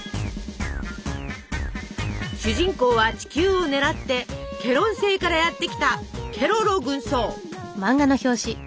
主人公は地球を狙ってケロン星からやって来たケロロ軍曹。